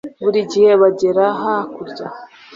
buri gihe bagera ha kurya